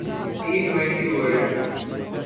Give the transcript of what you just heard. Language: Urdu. ٹی ٹوئنٹی ورلڈ ک